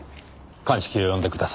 鑑識を呼んでください。